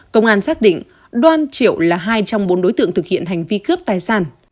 công an xác định đoan triệu là hai trong bốn đối tượng thực hiện hành vi cướp tài sản